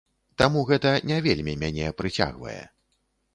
Таму гэта не вельмі мяне прыцягвае.